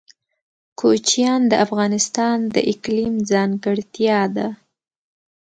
کوچیان د افغانستان د اقلیم ځانګړتیا ده.